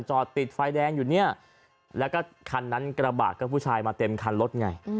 จอดติดไฟแดงอยู่เนี่ยแล้วก็คันนั้นกระบาดก็ผู้ชายมาเต็มคันรถไง